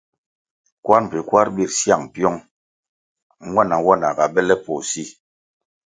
Kwar mbpi kwar bir syang pyong, nwana-nwana ga bele poh si.